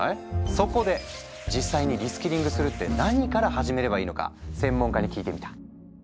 そこで実際にリスキリングするって何から始めればいいのか専門家に聞いてみた。